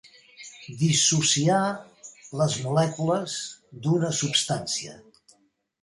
Dissociar les molècules d'una substància.